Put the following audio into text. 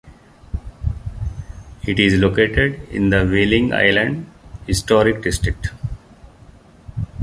It is located in the Wheeling Island Historic District.